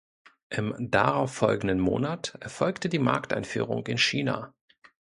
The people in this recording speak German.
Im darauffolgenden Monat erfolgte die Markteinführung in China.